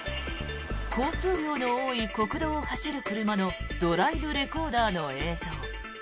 交通量の多い国道を走る車のドライブレコーダーの映像。